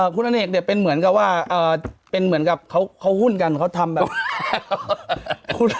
คุณอเนกเนี่ยเป็นเหมือนกับว่าเป็นเหมือนกับเขาหุ้นกันเขาทำแบบ